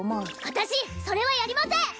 私それはやりません！